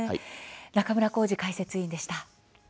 中村幸司解説委員でした。